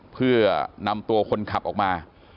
เพื่อนำตัวคนขับออกมา